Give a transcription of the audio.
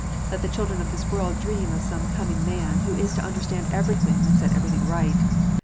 Let the children of this world dream of some " coming man," who is to understand everything, and set every thing right.